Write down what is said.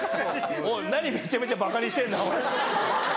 おい何めちゃめちゃばかにしてんだ。